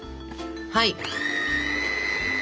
はい。